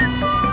gak ada apa apa